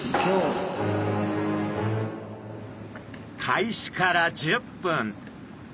開始から１０分。